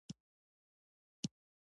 چي په زړه کي یې نیولې پاچهي د ټول جهان وي